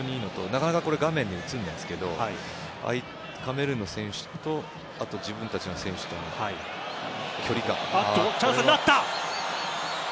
なかなか画面に映らないですけどカメルーンの選手と自分たちの選手との距離感が。